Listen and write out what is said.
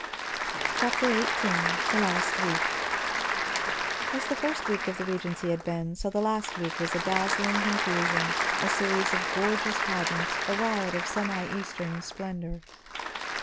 CHAPTER XVIII THE LAST WEEK As the first week of the regency had been, so the last week was a dazzling confusion, a series of gorgeous pageants, a riot of semi Eastern splendor.